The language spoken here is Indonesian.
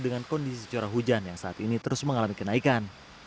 dengan kondisi curah hujan yang saat ini terus mengalami kenaikan